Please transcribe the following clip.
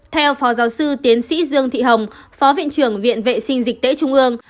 theo phó giáo sư tiến sĩ dương thị hồng phó viện trưởng viện vệ sinh dịch tễ trung ương